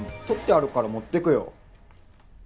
取ってあるから持ってくよ。